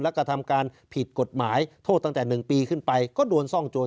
แล้วก็ทำการผิดกฎหมายโทษตั้งแต่๑ปีขึ้นไปก็โดนซ่องโจร